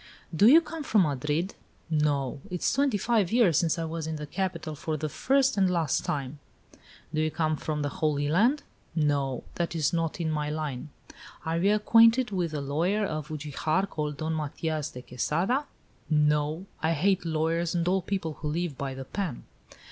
"Do you come from Madrid?" "No. It is twenty five years since I was in the capital, for the first and last time." "Do you come from the Holy Land?" "No; that is not in my line." "Are you acquainted with a lawyer of Ugijar, called Don Matias de Quesada?" "No; I hate lawyers and all people who live by the pen."